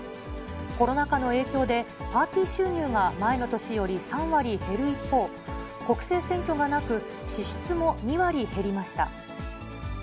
コロナ禍の影響で、パーティー収入が前の年より３割減る一方、国政選挙がなく、支出も２割減りました。